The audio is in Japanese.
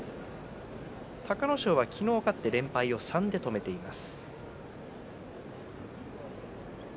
隆の勝は昨日勝って連敗を３で止めています。